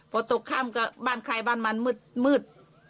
พอตกค่ำก็บ้านใครบ้านมันมืด